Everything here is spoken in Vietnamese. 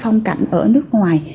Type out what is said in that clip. phong cảnh ở nước ngoài